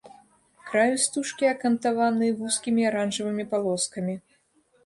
Краю стужкі акантаваны вузкімі аранжавымі палоскамі.